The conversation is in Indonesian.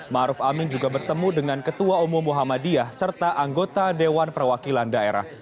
⁇ maruf amin juga bertemu dengan ketua umum muhammadiyah serta anggota dewan perwakilan daerah